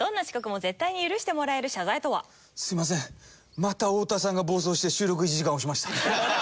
また太田さんが暴走して収録１時間押しました。